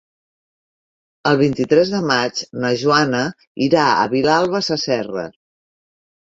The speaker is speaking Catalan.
El vint-i-tres de maig na Joana irà a Vilalba Sasserra.